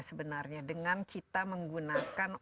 sebenarnya dengan kita menggunakan